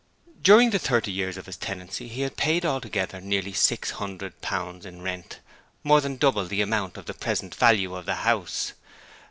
During the thirty years of his tenancy he had paid altogether nearly six hundred pounds in rent, more than double the amount of the present value of the house.